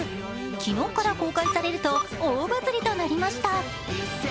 昨日から公開されると大バズりとなりました。